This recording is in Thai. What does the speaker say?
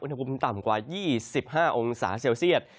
อุณหภูมิต่ำกว่า๒๕องศาเซลเซียต